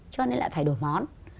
cho nên lại phải đổi món